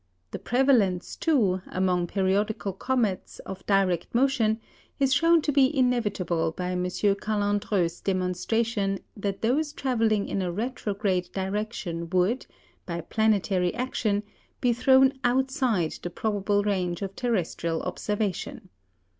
The prevalence, too, among periodical comets, of direct motion, is shown to be inevitable by M. Callandreau's demonstration that those travelling in a retrograde direction would, by planetary action, be thrown outside the probable range of terrestrial observation.